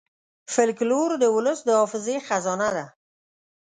فلکور د ولس د حافظې خزانه ده.